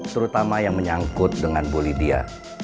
terutama yang menyangkut dengan bu lydia